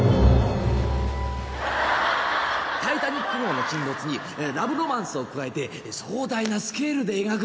「タイタニック号の沈没にラブロマンスを加えて壮大なスケールで描くってのは？」